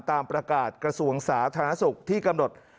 ตามประกาศกระทรวงสาธารณสุขที่กำหนด